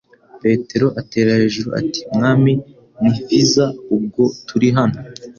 Petero atera hejuru ati : "Mwami ni hviza ubwo turi hano :